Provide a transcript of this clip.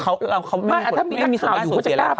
ไม่อายุเขาจะกล้าพูด